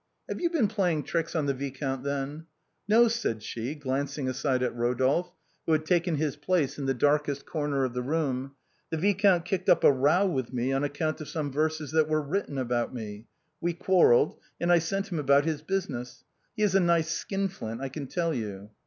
"Have you been playing tricks on the viscount, then?" " No," said she, glancing aside at Eodolphe, who had taken his place in the darkest corner of the room, " the viscount kicked up a row with me on account of some verses that were written about me. We quarrelled, and I sent him about his business; he is a nice skin flint, I can tell you."